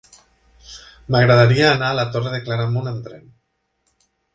M'agradaria anar a la Torre de Claramunt amb tren.